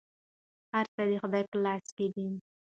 هر څه د خدای په لاس کې دي.